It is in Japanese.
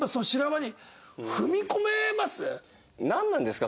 なんなんですか？